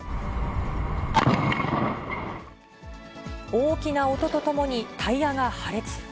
大きな音とともに、タイヤが破裂。